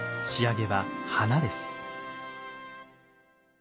仕上げは花です。